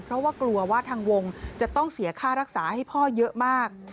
เพราะว่ากลัวว่าทางวงจะต้องเสียค่ารักษาให้พ่อเยอะมาก